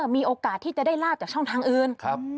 มีโอกาสที่จะได้ลาบจากช่องทางอื่น